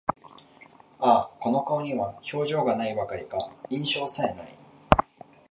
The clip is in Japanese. ああ、この顔には表情が無いばかりか、印象さえ無い